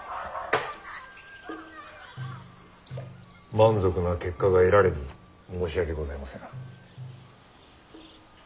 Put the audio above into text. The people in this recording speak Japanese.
満足な結果が得られず申し訳ございません。